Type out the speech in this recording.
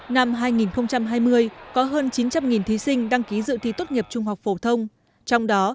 năm hai nghìn hai mươi có hơn chín trăm linh thí sinh đăng ký dự thi tốt nghiệp trung học phổ thông trong đó